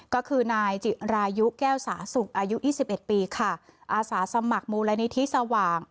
ก็คือนายจิรายุแก้วสาสุกอายุยี่สิบเอ็ดปีค่ะอาสาสมัครมูลนิธิสว่าง